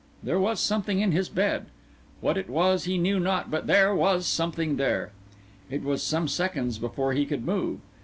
There was something in his bed. What it was he knew not, but there was something there. It was some seconds before he could move.